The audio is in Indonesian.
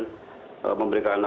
atau melakukan investigasi langsung